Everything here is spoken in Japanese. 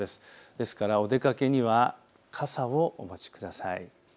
ですからお出かけには傘をお持ちください。